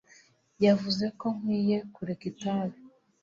Yavuze ko nkwiye kureka itabi